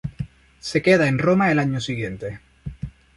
Se queda en Roma el año siguiente.